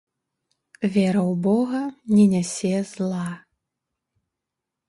Вера ў бога не нясе зла.